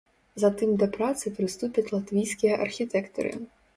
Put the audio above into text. Затым да працы прыступяць латвійскія архітэктары.